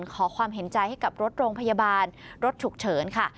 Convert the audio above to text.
ขอความเห็นใจให้กับรถโรงพยาบาลรถฉุกเฉินค่ะ